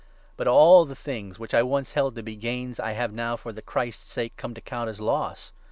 But 7 all the things which I once held to be gains I have now, for the Christ's sake, come to count as loss.